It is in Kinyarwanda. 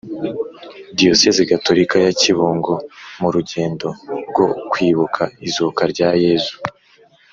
Diyosezi gatolika ya kibungo mu rugendo rwo kwibuka izuka rya yezu